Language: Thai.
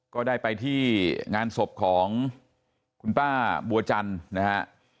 ก็ได้ไปที่งานศพของคุณป้าบัวจันทร์นะฮะ